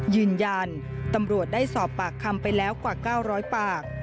ยืนยันตำรวจได้สอบปากคำไปแล้วกว่า๙๐๐ปาก